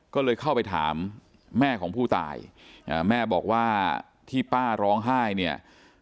ก็เลยเข้าไปถามแม่ของผู้ตายแม่บอกว่าที่ป้าร้องไห้เนี่ย